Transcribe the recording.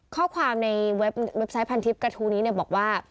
ข้อความในเว็บไซต์พันทิพย์กระทู้นี้บอกว่า